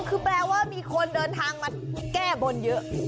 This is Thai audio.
คือแปลว่ามีคนเดินทางมาแก้บนเยอะ